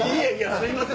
すいません